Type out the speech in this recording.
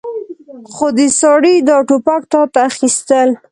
خو دې سړي دا ټوپک تاته اخيستل.